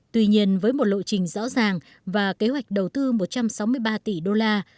tuy nhiên với một lộ trình rõ ràng và kế hoạch đầu tư một trăm sáu mươi ba tỷ đô la